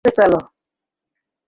ওকে, চলো।